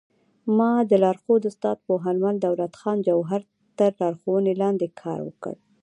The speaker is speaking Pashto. ما د لارښود استاد پوهنمل دولت خان جوهر تر لارښوونې لاندې کار وکړ